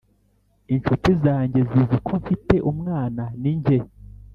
Incuti zanjye zizi ko mfite umwana ni nke